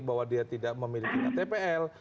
bahwa dia tidak memiliki ktpl